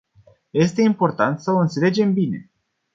Este important să o înțelegem bine.